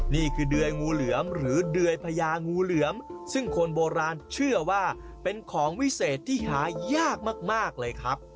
นี่คือเดยงูเหลือมหรือเดื่อยพญางูเหลือมซึ่งคนโบราณเชื่อว่าเป็นของวิเศษที่หายากมากเลยครับ